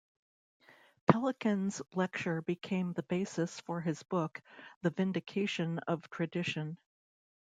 Pelikan's lecture became the basis for his book The Vindication of Tradition.